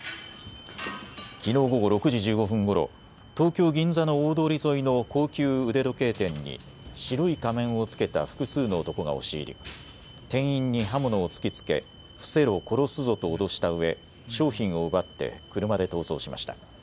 きのう午後６時１５分ごろ、東京銀座の大通り沿いの高級腕時計店に白い仮面をつけた複数の男が押し入り店員に刃物を突きつけ、伏せろ、殺すぞと脅したうえ商品を奪って車で逃走しました。